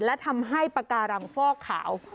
และทำให้ปากการังฟอกขาว